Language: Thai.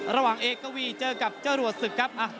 ระหว่างเอกวีเจอกับเจ้ารวดศึกครับ